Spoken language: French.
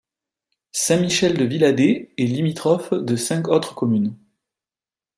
Saint-Michel-de-Villadeix est limitrophe de cinq autres communes.